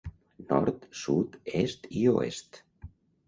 Nord, Sud, Est i Oest.